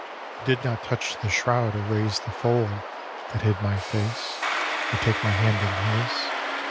He did not touch the shroud, or raise the fold That hid my face, or take my hand in his.